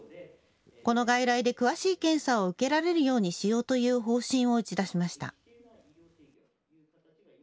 この外来で詳しい検査を受けられるようにしようという方針を打ち出しました。